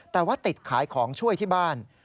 แต่ว่าติดขายของช่วยที่บ้าน